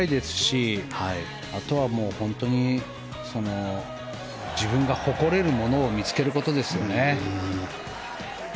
飛距離は申し分ないですしあとは、自分が誇れるものを見つけることですよね。